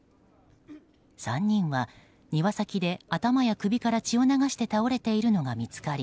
３人は庭先で頭や首から血を流して倒れているのが見つかり